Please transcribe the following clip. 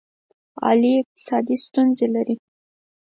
علي اقتصادي ستونزې لري.